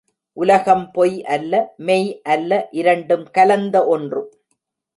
உலகம் பொய் அல்ல, மெய் அல்ல இரண்டும் கலந்த ஒன்று.